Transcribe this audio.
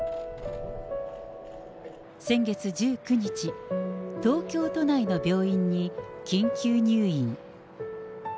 先月１９日、東京都内の病院に、緊急入院。